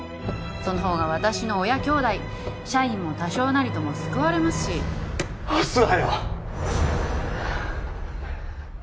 その方が私の親兄弟社員も多少なりとも救われますし押すわよ！